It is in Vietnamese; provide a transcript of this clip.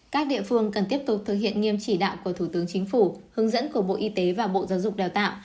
các địa phương cần tiếp tục thực hiện nghiêm chỉ đạo của thủ tướng chính phủ hướng dẫn của bộ y tế và bộ giáo dục đào tạo